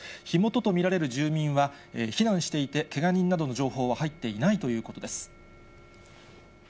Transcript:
火元と見られる住民は、避難していて、けが人などの情報は入っていないということです。